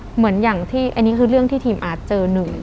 เหมือนอย่างที่อันนี้คือเรื่องที่ทีมอาร์ตเจอหนึ่ง